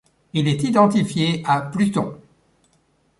Il est identifié à Pluton.